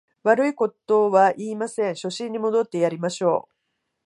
悪いことは言いません、初心に戻ってやりましょう